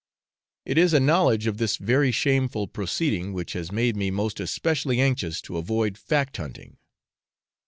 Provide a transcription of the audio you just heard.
It is a knowledge of this very shameful proceeding, which has made me most especially anxious to avoid fact hunting.